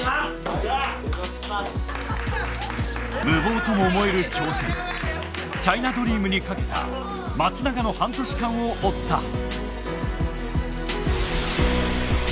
無謀とも思える挑戦チャイナドリームに賭けた松永の半年間を追った！